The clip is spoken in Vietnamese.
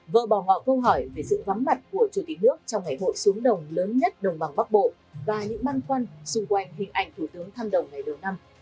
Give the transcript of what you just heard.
vợ bò ngọ câu hỏi về sự vắm mặt của chủ tịch nước trong ngày hội xuống đồng lớn nhất đồng bằng bắc bộ và những băng quan xung quanh hình ảnh thủ tướng thăm đồng ngày đầu năm